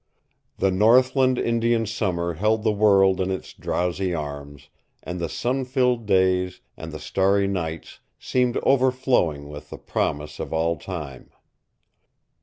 The northland Indian Summer held the world in its drowsy arms, and the sun filled days and the starry nights seemed overflowing with the promise of all time.